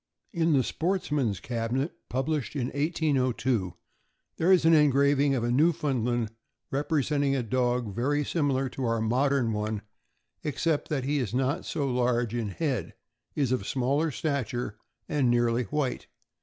In the Sportsman's Cabinet, published in 1802, there is an engraving of a Newfoundland, representing a dog very similar to our modern one, except that he is not so large in head, is of smaller stature, and nearly white.